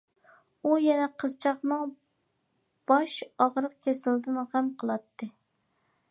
ئۇ يەنە قىزچاقنىڭ باش ئاغرىق كېسىلىدىن غەم قىلاتتى.